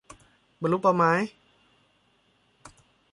บรรลุเป้าหมาย